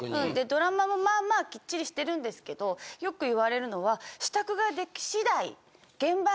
ドラマもまあまあきっちりしてるんですけどよく言われるのは。